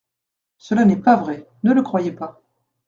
Cela n'est pas vrai ; ne le croyez pas.